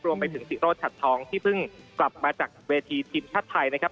รวมไปถึงศิโรชัดทองที่เพิ่งกลับมาจากเวทีทีมชาติไทยนะครับ